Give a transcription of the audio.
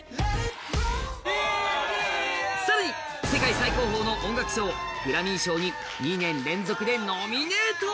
更に、世界最高峰の音楽賞グラミー賞に２年連続でノミネート。